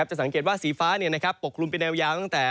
จะสังเกตว่าสีฟ้าปกคลุมเป็นแนวยาวตั้งแต่